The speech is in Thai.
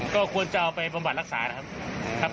ก็ควรจะเอาไปบำบัดรักษานะครับ